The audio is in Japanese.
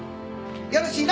よろしいな？